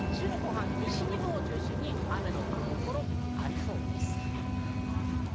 週の後半、西日本を中心に雨の降るところがありそうです。